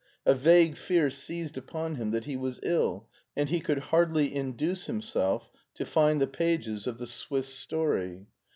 A vague fear seized upon him that he was ill, and he could hardly induce himself to find the pages of the Swiss story.